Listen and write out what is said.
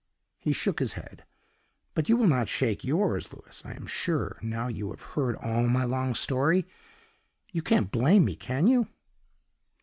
He shook his head; but you will not shake yours, Louis, I am sure, now you have heard all my long story? You can't blame me can you?"